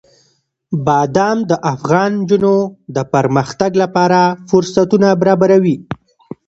بادام د افغان نجونو د پرمختګ لپاره فرصتونه برابروي.